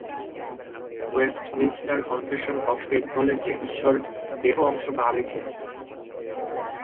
Westminster Confession of Faith বলে যে ঈশ্বর "দেহ, অংশ বা আবেগহীন"।